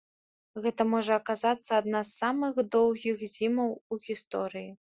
Гэта можа аказацца адна з самых доўгіх зімаў у гісторыі.